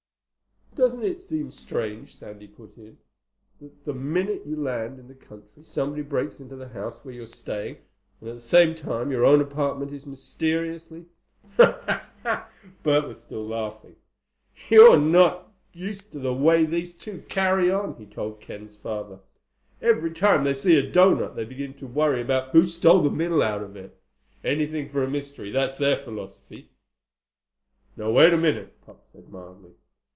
"Doesn't it seem strange," Sandy put in, "that the minute you land in the country somebody breaks into the house where you're staying, and at the same time your own apartment is mysteriously—" Bert was still laughing. "You're just not used to the way these two carry on," he told Ken's father. "Every time they see a doughnut they begin to worry about who stole the middle out of it. Anything for a mystery—that's their philosophy." "Now wait a minute," Pop said mildly.